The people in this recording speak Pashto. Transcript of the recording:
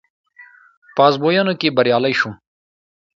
په ازموينه کې بريالی شوم.